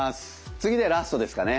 次でラストですかね。